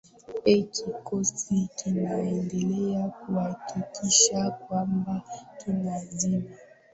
eeh kikosi kinaendelea kuakikisha kwamba kinazima